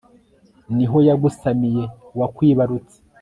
ni ho yagusamiye uwakwibarutse